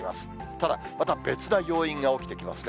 ただ、また別な要因が起きてきますね。